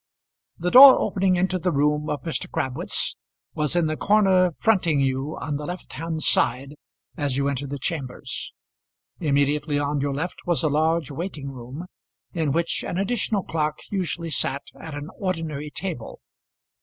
The door opening into the room of Mr. Crabwitz was in the corner fronting you on the left hand side as you entered the chambers. Immediately on your left was a large waiting room, in which an additional clerk usually sat at an ordinary table.